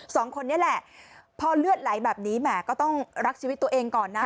สองคนนี้แหละพอเลือดไหลแบบนี้แหมก็ต้องรักชีวิตตัวเองก่อนนะ